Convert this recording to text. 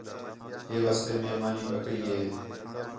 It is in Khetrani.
ہِے واسطے مئے مانی پکئی ہے